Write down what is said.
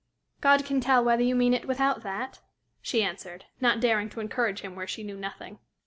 "God can tell whether you mean it without that," she answered, not daring to encourage him where she knew nothing.